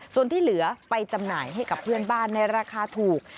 ส่วนที่เหลือไปจำหน่ายให้กับเพื่อนบ้านในราคาถูก